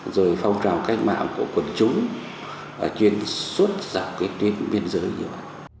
rồi phong trào cách mạng của quận chúng chuyên suốt giả quyết tuyến biên giới như vậy